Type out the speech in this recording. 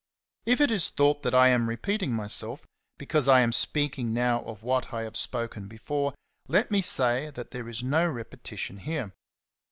If it is thought that I am repeating myself because I am speaking now of what I have spoken before, let me say that there is no repetition here.